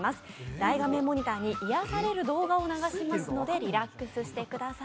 大画面モニターに癒やされる動画が流れますのでリラックスしてください。